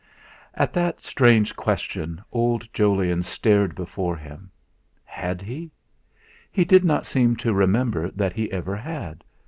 At that strange question old Jolyon stared before him. Had he? He did not seem to remember that he ever had.